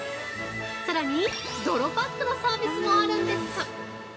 さらに泥パックのサービスもあるんです！